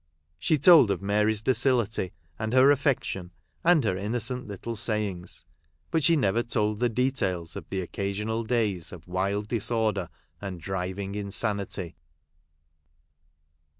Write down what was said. She told of Mary's docility, and her affec tion, and her innocent little sayings ; but she never told the details of the occasional days of wild disorder, and driving insanity.